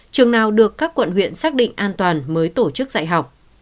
trường nào được các quận huyện xác định an toàn mới tổ chức dạy học